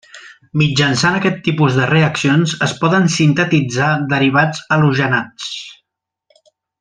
Mitjançant aquest tipus de reaccions es poden sintetitzar derivats halogenats.